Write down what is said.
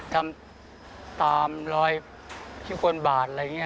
ทำตามรอยชิคกรบาทอะไรอย่างนี้